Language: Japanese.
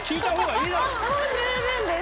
もう十分です！